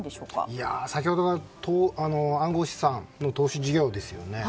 いや、先ほどの暗号資産の投資事業ですよね。